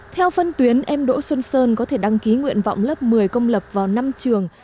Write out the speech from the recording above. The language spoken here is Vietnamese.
theo phân tuyến em đỗ xuân sơn có thể đăng ký nguyện vọng lớp một mươi công lập vào năm trường